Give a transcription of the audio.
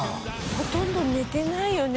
ほとんど寝てないよね。